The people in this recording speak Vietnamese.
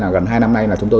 gần hai năm nay là chúng tôi